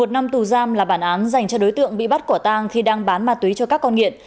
một năm tù giam là bản án dành cho đối tượng bị bắt quả tang khi đang bán ma túy cho các con nghiện